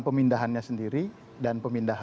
pemindahannya sendiri dan